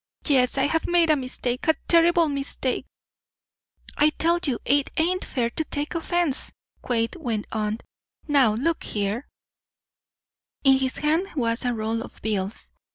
"Yes, I have made a mistake a terrible mistake!" "I tell you it ain't fair to take offence," Quade went on. "Now, look here " In his hand was a roll of bills.